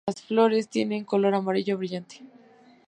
Las flores tienen color amarillo brillante.